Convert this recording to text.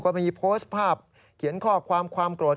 มีโพสต์ภาพเขียนข้อความความโกรธ